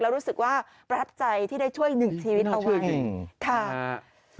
แล้วรู้สึกว่าประทับใจที่ได้ช่วยหนึ่งชีวิตเอาไว้ค่ะ